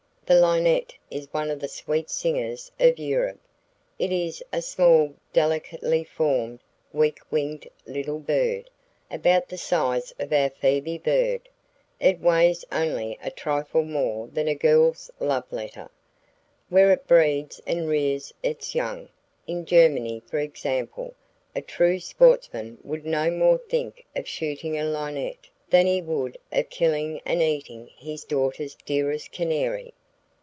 The linnet is one of the sweet singers of Europe. It is a small, delicately formed, weak winged little bird, about the size of our phoebe bird. It weighs only a trifle more than a girl's love letter. Where it breeds and rears its young, in Germany for example, a true sportsman would no more think of shooting a linnet than he would of killing and eating his daughter's dearest canary.